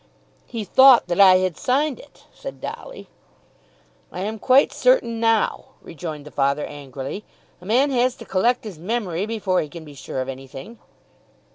"He thought that I had signed it," said Dolly. "I am quite certain now," rejoined the father angrily. "A man has to collect his memory before he can be sure of anything."